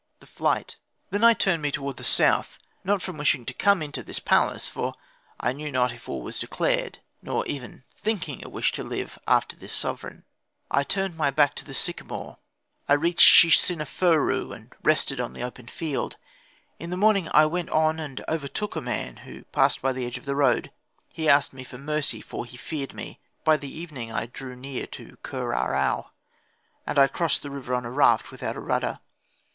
THE FLIGHT Then I turned me toward the south, not from wishing to come into this palace for I knew not if war was declared nor even thinking a wish to live after this sovereign. I turned my back to the sycamore, I reached Shi Seneferu, and rested on the open field. In the morning I went on and overtook a man, who passed by the edge of the road. He asked of me mercy, for he feared me. By the evening I drew near to Kher ahau (? old Cairo), and I crossed the river on a raft without a rudder.